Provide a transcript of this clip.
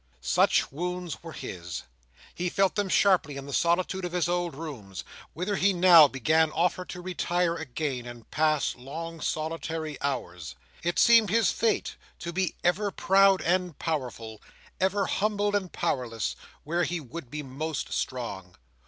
Such wounds were his. He felt them sharply, in the solitude of his old rooms; whither he now began often to retire again, and pass long solitary hours. It seemed his fate to be ever proud and powerful; ever humbled and powerless where he would be most strong.